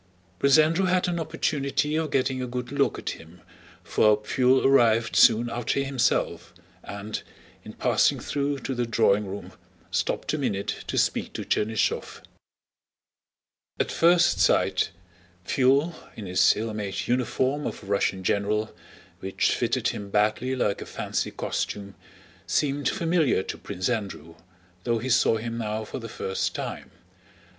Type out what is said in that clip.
Prince Andrew had an opportunity of getting a good look at him, for Pfuel arrived soon after himself and, in passing through to the drawing room, stopped a minute to speak to Chernýshev. At first sight, Pfuel, in his ill made uniform of a Russian general, which fitted him badly like a fancy costume, seemed familiar to Prince Andrew, though he saw him now for the first time.